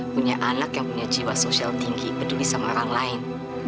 punya anak yang punya jiwa sosial tinggi peduli sama orang lain